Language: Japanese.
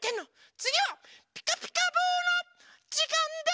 つぎは「ピカピカブ！」のじかんです！